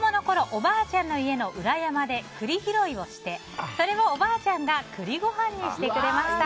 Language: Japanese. おばあちゃんの家の裏山で栗拾いをしてそれをおばあちゃんが栗ご飯にしてくれました。